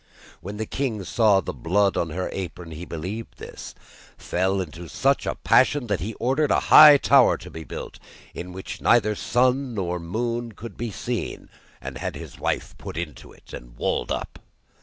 When the king saw the blood on her apron, he believed this, fell into such a passion that he ordered a high tower to be built, in which neither sun nor moon could be seen and had his wife put into it, and walled up.